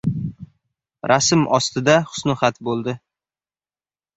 Rasm ostida husnixat bo‘ldi.